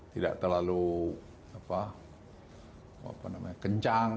tidak terlalu kencang